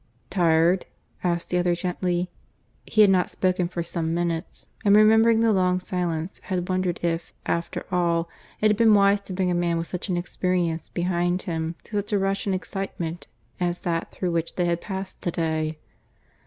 "Tired?" asked the other gently. (He had not spoken for some minutes, and remembering the long silence, had wondered if, after all, it had been wise to bring a man with such an experience behind him to such a rush and excitement as that through which they had passed to day.)